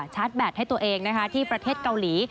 ชาร์จแบตให้ตัวเองที่ประเทศเกาหลี